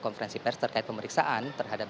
konferensi pers terkait pemeriksaan terhadap